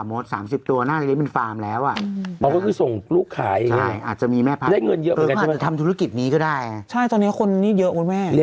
โอ้โฮหมาตัวใหญ่ใหญ่ตัววิ่งกันใหญ่เลย